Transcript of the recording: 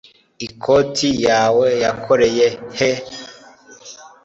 ikoti yawe yakoreye he